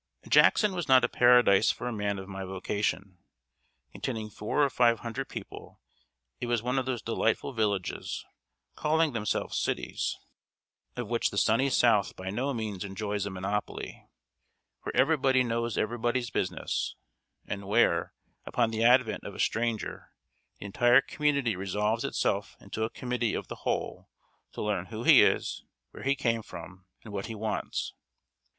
] Jackson was not a paradise for a man of my vocation. Containing four or five thousand people, it was one of those delightful villages, calling themselves cities, of which the sunny South by no means enjoys a monopoly where everybody knows everybody's business, and where, upon the advent of a stranger, the entire community resolves itself into a Committee of the Whole to learn who he is, where he came from, and what he wants.